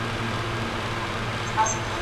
په کور کي د ماشوم استعداد نه وژل کېږي.